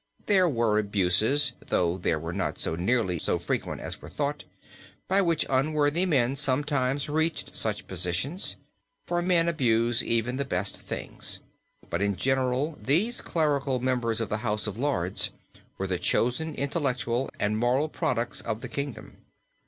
There were abuses, though they were not nearly so frequent as were thought, by which unworthy men sometimes reached such positions, for men abuse even the best things, but in general these clerical members of the House of Lords were the chosen intellectual and moral products of the kingdom.